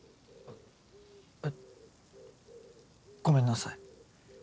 えっごめんなさい。